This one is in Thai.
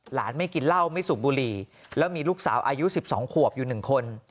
ไม่กินเหล้าไม่สูบบุหรี่แล้วมีลูกสาวอายุ๑๒ขวบอยู่๑คน